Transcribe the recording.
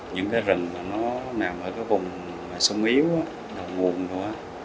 những cái rừng mà nó nằm ở cái vùng sông yếu đồng nguồn đồ